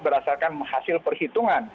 berdasarkan hasil perhitungan